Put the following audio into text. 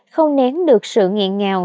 không nén được sự nghiện ngào